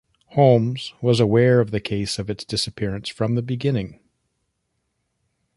Holmes was aware of the case of its disappearance from the beginning.